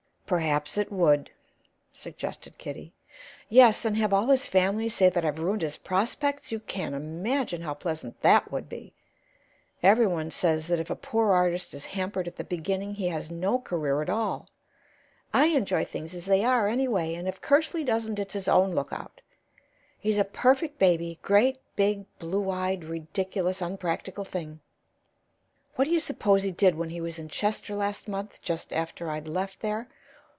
"Perhaps it would," suggested Kitty. "Yes, and have all his family say that I've ruined his prospects you can imagine how pleasant that would be! Everyone says that if a poor artist is hampered at the beginning he has no career at all. I enjoy things as they are, anyway, and if Kersley doesn't it's his own lookout. He's a perfect baby, great, big, blue eyed, ridiculous, unpractical thing! What do you suppose he did when he was in Chester last month, just after I'd left there?